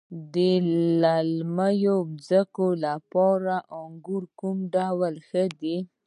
د للمي ځمکو لپاره د انګورو کوم ډول ښه دی؟